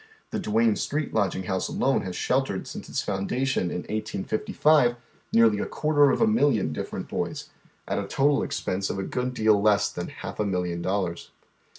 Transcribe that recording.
The Duane Street Lodging House alone has sheltered since its foundation in 1855 nearly a quarter of a million different boys, at a total ex pense of a good deal less than half a million dollars.